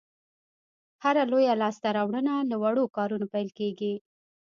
هره لویه لاسته راوړنه له وړو کارونو پیل کېږي.